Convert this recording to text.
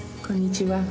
こんにちは。